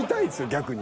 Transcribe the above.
逆に。